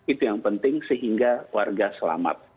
itu yang penting sehingga warga selamat